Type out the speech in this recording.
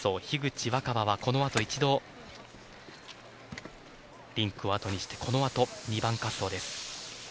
樋口新葉はこのあと一度、リンクをあとにしてこのあと２番滑走です。